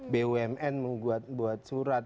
bumn membuat surat